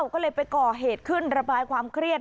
ก็เลยไปก่อเหตุขึ้นระบายความเครียด